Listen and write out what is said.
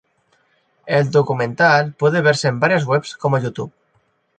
El documental puede verse en varias webs como YouTube.